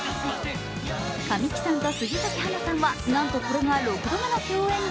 神木さんと杉咲花さんは、なんとこれが６度目の共演で。